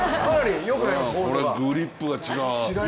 これ、グリップが違う。